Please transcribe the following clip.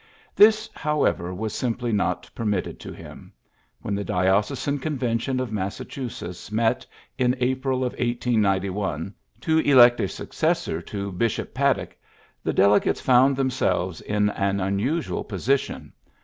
This, however, was simply not per mitted to him. When the diocesan con vention of Massachusetts met in April of 1891 to elect a successor to Bishop Pad dock, the delegates found themselves in an unusual position.